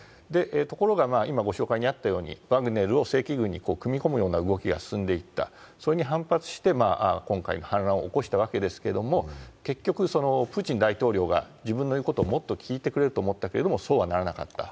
ところがワグネルを正規軍に組み込むような動きが進んでいった、それに反発して今回、反乱を起こしたわけですけど結局プーチン大統領が自分の言うことをもっと聞いてくれると思ったけどそうはならなかった。